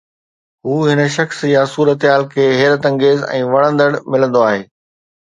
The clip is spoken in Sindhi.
هو هن شخص يا صورتحال کي حيرت انگيز ۽ وڻندڙ ملندو آهي